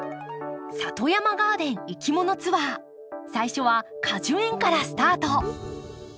里山ガーデンいきものツアー最初は果樹園からスタート！